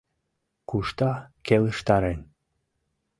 Кушта келыштарен.